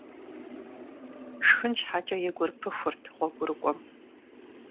Шхын щхьэкӀэ и гур пыхурт гъуэгурыкӀуэм.